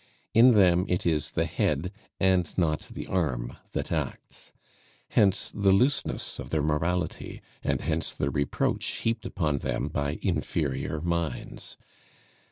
In them it is the head and not the arm that acts. Hence the looseness of their morality, and hence the reproach heaped upon them by inferior minds.